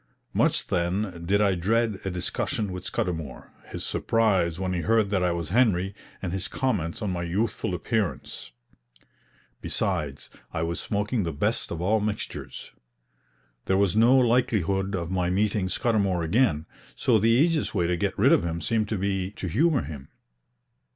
Much, then, did I dread a discussion with Scudamour, his surprise when he heard that I was Henry, and his comments on my youthful appearance. Besides, I was smoking the best of all mixtures. There was no likelihood of my meeting Scudamour again, so the easiest way to get rid of him seemed to be to humor him.